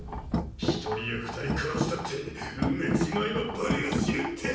１人や２人殺したって埋めちまえばバレやしねえって！